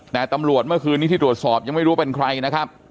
แต่ตำรวจเมื่อคืนนี้ที่ตรวจสอบยังไม่รู้เป็นใครนะครับ